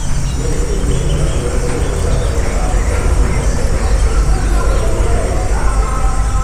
Nelle femmine la colorazione rosata ventrale è del tutto assente, sostituita dal bruno-giallastro.